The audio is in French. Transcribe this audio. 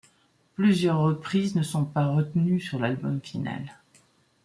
Plusieurs reprises ne sont pas retenues sur l'album final.